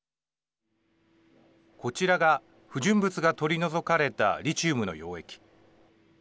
こちらが不純物が取り除かれたリチウムの溶液。